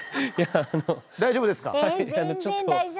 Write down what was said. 大丈夫ですか？